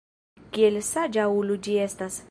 Kiel saĝa ulo ĝi estas!